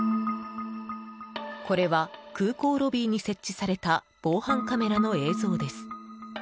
これは空港ロビーに設置された防犯カメラの映像です。